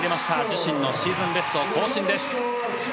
自身のシーズンベスト更新です。